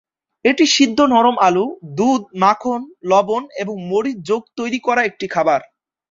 এটি সিদ্ধ নরম আলু, দুধ, মাখন, লবণ এবং মরিচ যোগ তৈরি করা একটি খাবার।